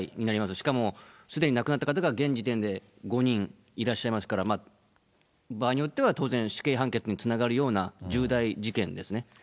しかも、すでに亡くなった方が現時点で５人いらっしゃいますから、場合によっては当然死刑判決につながるような重大事件ですね。